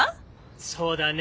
そうだね。